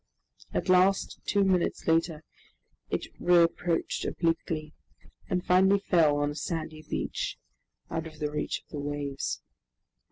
At last, two minutes later, it reproached obliquely, and finally fell on a sandy beach, out of the reach of the waves.